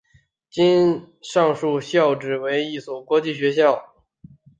今日上述校扯为一所国际学校。